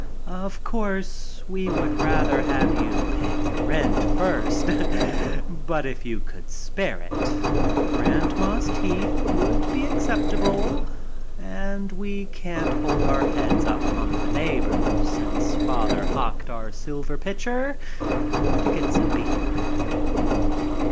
Of course, we would rather have you pay our rent first, but if you could spare it, grandma's teeth would be acceptable, and we can't hold our heads up among the neighbors since father hocked our silver pitcher to get some beer.